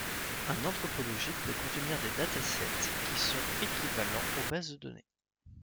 Un entrepôt logique peut contenir des datasets qui sont équivalents au bases de données.